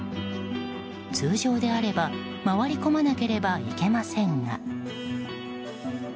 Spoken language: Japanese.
通常であれば回り込まなければいけませんが。